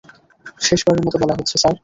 শেষ বারের মতো বলা হচ্ছে, স্যার।